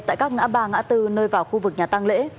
tại các ngã ba ngã tư nơi vào khu vực nhà tăng lễ